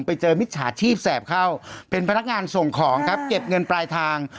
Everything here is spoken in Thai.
มิจฉาชีพแสบเข้าเป็นพนักงานส่งของครับเก็บเงินปลายทาง